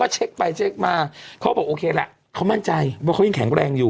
เจ้าเห็นตัวย่อนนี้มาใช่ไหม